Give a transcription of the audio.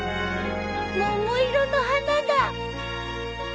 桃色の花だ